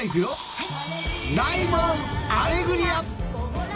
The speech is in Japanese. はい。